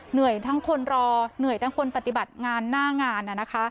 เหนื่อยทั้งคนรอเหนื่อยทั้งคนปฏิบัติงานหน้างาน